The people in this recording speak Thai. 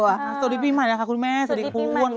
สวัสดีพี่หมายแล้วค่ะคุณแม่สวัสดีคุณอ้วน